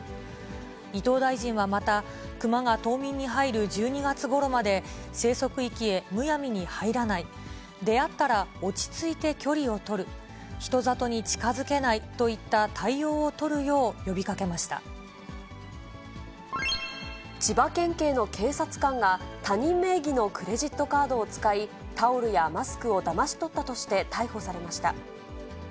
伊藤大臣はまた、クマが冬眠に入る１２月ごろまで、生息域へむやみに入らない、出会ったら落ち着いて距離を取る、人里に近づけないといった対応を千葉県警の警察官が、他人名義のクレジットカードを使い、タオルやマスクをだまし取ったとして逮捕されました。